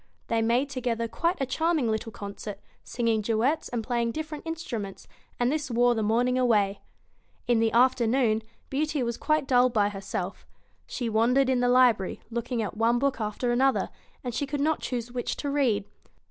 They made together quite a charming little concert, singing duets and playing different instruments, and this wore the morning away. In the afternoon, Beauty was quite dull by herself. She wandered in the library, looking at one book after another, and she could not choose which to read.